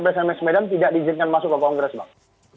psms medan tidak diizinkan masuk ke kongres bang